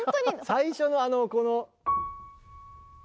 最初のあのこの。